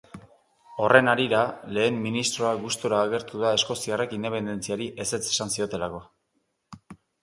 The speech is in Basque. Horren harira, lehen ministroa gustura agertu da eskoziarrek independentziari ezetz esan ziotelako.